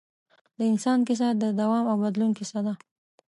د انسان کیسه د دوام او بدلون کیسه ده.